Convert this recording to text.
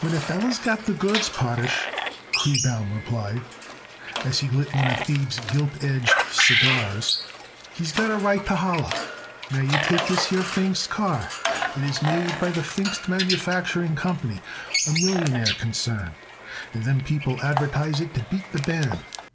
"When a feller's got the goods, Potash," Kleebaum replied, as he lit one of Abe's "gilt edged" cigars, "he's got a right to holler. Now you take this here Pfingst car. It is made by the Pfingst Manufacturing Company, a millionaire concern, and them people advertise it to beat the band.